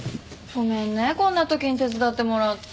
ごめんねこんな時に手伝ってもらって。